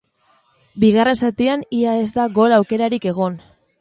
Bigarren zatian ia ez da gol aukerarik egon.